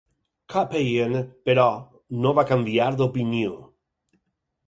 Kappeyene, però, no va canviar d'opinió.